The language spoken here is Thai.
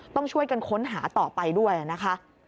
ต้องช่วยกันค้นหาต่อไปด้วยนะคะ